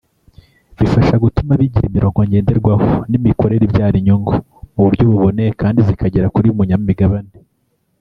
bifasha gutuma bigira imirongo ngenderwaho n’imikorere ibyara inyungu mu buryo buboneye kandi zikagera kuri buri munyamigabane